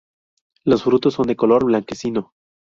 Los frutos son de color blanquecino.